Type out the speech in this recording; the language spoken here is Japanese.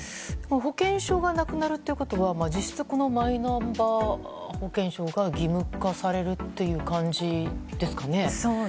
保険証がなくなるということは実質、マイナ保険証が義務化されるという感じですかね。